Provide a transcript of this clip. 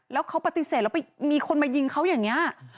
แล้วเขาปฏิเสธแล้วไปมีคนมายิงเขาอย่างนี้